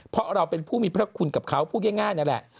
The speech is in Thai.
เพราะเราเป็นผู้มีพระคุณกับเขาพูดง่ายนั่นแหละ